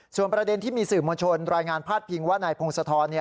ส่วนประเด็นที่มีสื่อมวลชนรายงานพาดพิงว่านายพงศธร